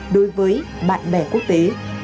đối với bạn bè quốc tế